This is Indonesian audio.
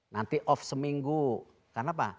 nanti off seminggu karena apa